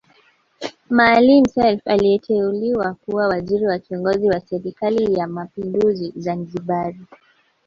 Maalim Self aliteuliwa kuwa waziri kiongozi wa serikali ya mapinduzi Zanzibari